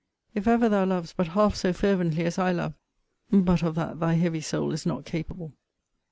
If ever thou lovedst but half so fervently as I love but of that thy heavy soul is not capable.